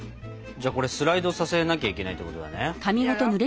じゃあこれスライドさせなきゃいけないってことだね。